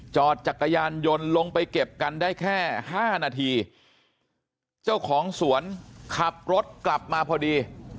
จอดจักรยานยนต์ลงไปเก็บกันได้แค่ห้านาทีเจ้าของสวนขับรถกลับมาพอดี